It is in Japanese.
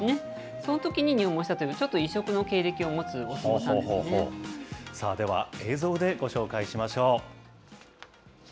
そのときに入門したという、ちょっと異色の経歴を持つお相撲さんさあでは、映像でご紹介しましょう。